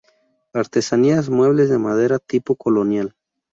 Artesanías Muebles de madera tipo colonial